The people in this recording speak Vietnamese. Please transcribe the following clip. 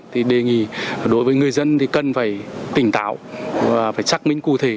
thì đề nghị đối với người dân thì cần phải tỉnh táo và phải xác minh cụ thể